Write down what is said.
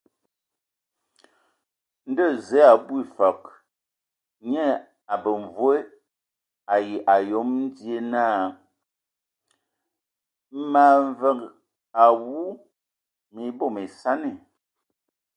Ndo hm Zǝe a abwi fǝg, nye ai bemvoe ai ayom die naa: Mǝ avenge awu, mii bom esani.